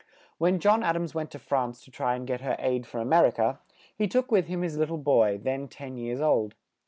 When John Ad ams went to France to try and get her aid for A mer i ca, he took with him his lit tle boy, then ten years old.